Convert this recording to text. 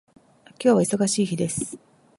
今日は忙しい日です